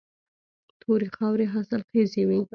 تورې خاورې حاصلخیزې وي.